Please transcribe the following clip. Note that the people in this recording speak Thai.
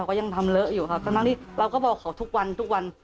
ก็ยังทำเลอะอยู่ค่ะทั้งที่เราก็บอกเขาทุกวันทุกวัน